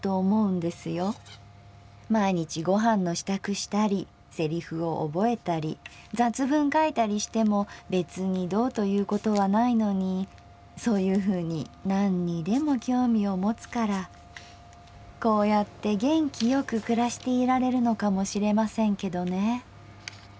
毎日ご飯の支度したりセリフを覚えたり雑文書いたりしても別にどうということはないのにそういうふうに何にでも興味を持つからこうやって元気よく暮らしていられるのかもしれませんけどね。